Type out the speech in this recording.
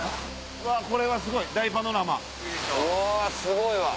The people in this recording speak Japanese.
うわすごいわ！